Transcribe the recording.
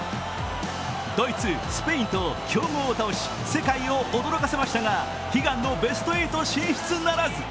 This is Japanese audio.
ドイツ、スペインと強豪を倒し、世界を驚かせましたが、悲願のベスト８進出ならず。